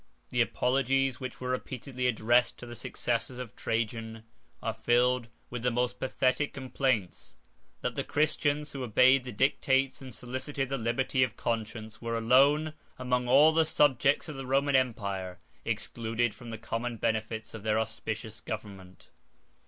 The apologies which were repeatedly addressed to the successors of Trajan are filled with the most pathetic complaints, that the Christians, who obeyed the dictates, and solicited the liberty, of conscience, were alone, among all the subjects of the Roman empire, excluded from the common benefits of their auspicious government.